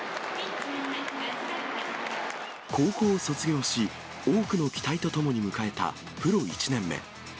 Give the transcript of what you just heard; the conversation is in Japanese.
高校を卒業し、多くの期待とともに迎えたプロ１年目。